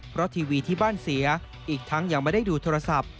เพราะทีวีที่บ้านเสียอีกทั้งยังไม่ได้ดูโทรศัพท์